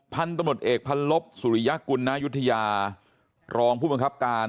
พันธุ์ตำรวจเอกพันธุ์ลบสุริยกุลนายุทยารองผู้บังคับการ